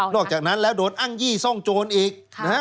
อกจากนั้นแล้วโดนอ้างยี่ซ่องโจรอีก